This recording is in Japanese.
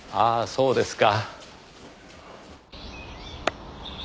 そうですか。